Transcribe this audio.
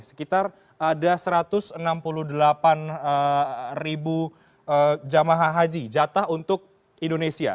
sekitar ada satu ratus enam puluh delapan ribu jemaah haji jatah untuk indonesia